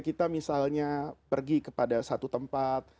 kita misalnya pergi kepada satu tempat